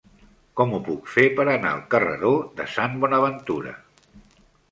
Com ho puc fer per anar al carreró de Sant Bonaventura?